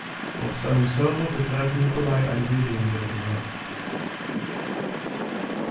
Auf seinem Server betreibt Nikolai ein Debian-Derivat.